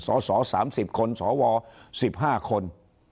สส๓๐คนสว๑๕คน